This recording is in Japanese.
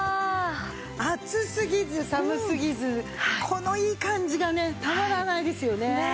暑すぎず寒すぎずこのいい感じがねたまらないですよね。